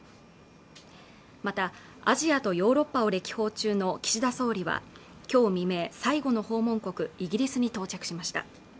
またアジアとヨーロッパを歴訪中の岸田総理は今日未明、最後の訪問国イギリスに到着しました